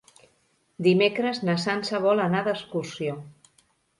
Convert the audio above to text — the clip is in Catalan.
Dimecres na Sança vol anar d'excursió.